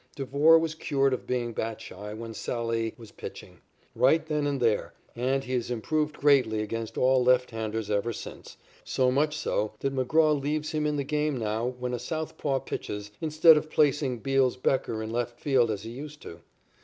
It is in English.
Devore was cured of being bat shy when Sallee was pitching, right then and there, and he has improved greatly against all left handers ever since, so much so that McGraw leaves him in the game now when a southpaw pitches, instead of placing Beals Becker in left field as he used to.